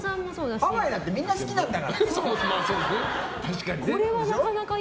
ハワイなんてみんな好きなんだから。